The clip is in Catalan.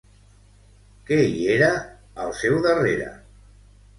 Què hi era al seu darrere?